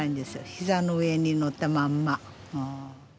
膝の上に乗ったまんま。